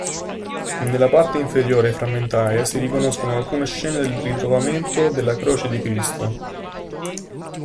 Nella parte inferiore, frammentaria, si riconoscono alcune scene del ritrovamento della croce di Cristo.